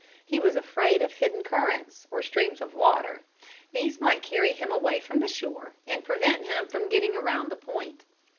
He was afraid of hidden currents, or streams of water. These might carry him away from the shore and prevent him from getting around the point.